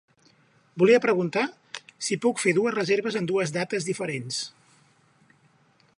Volia preguntar si puc fer dues reserves en dues dates diferents.